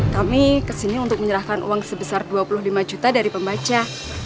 kami kesini untuk menyerahkan uang sebesar dua puluh lima juta dari pembaca